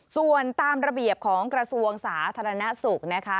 ส่วนตามระเบียบของกระทรวงสาธารณสุขนะคะ